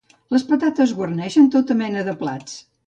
Les patates guarneixen tota mena de plats